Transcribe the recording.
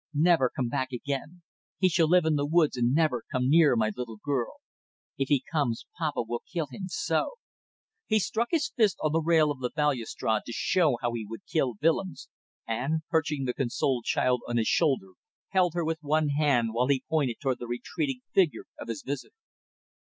Never come back again. He shall live in the woods and never come near my little girl. If he comes papa will kill him so!" He struck his fist on the rail of the balustrade to show how he would kill Willems, and, perching the consoled child on his shoulder held her with one hand, while he pointed toward the retreating figure of his visitor.